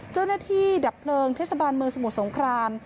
เจ้าหน้าที่ดับเพลิงเทศบาลเมืองสมุทรสงคราม